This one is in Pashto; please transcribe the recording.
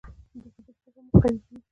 د فزیک پوهه موږ قوي کوي.